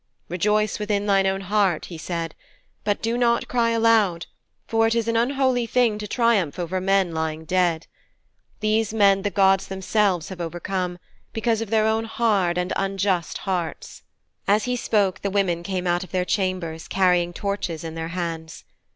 'Rejoice within thine own heart,' he said, 'but do not cry aloud, for it is an unholy thing to triumph over men lying dead. These men the gods themselves have overcome, because of their own hard and unjust hearts.' As he spoke the women came out of their chambers, carrying torches in their hands.